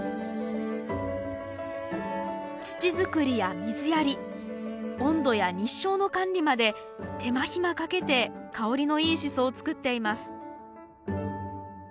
土づくりや水やり温度や日照の管理まで手間暇かけて香りのいいシソを作っています。